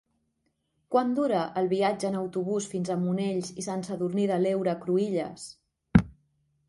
Quant dura el viatge en autobús fins a Monells i Sant Sadurní de l'Heura Cruïlles?